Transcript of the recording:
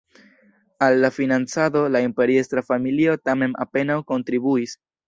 Al la financado la imperiestra familio tamen apenaŭ kontribuis.